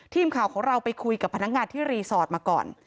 ทีมข่าวของเราไปคุยกับพนักงานที่รีสอร์ทมาก่อน